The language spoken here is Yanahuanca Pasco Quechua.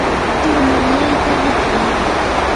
turmanyayta rikay.